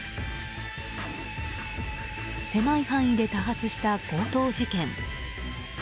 狭い範囲で多発した強盗事件。